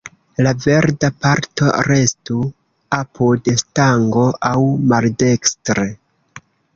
La verda parto restu apud stango, aŭ maldekstre.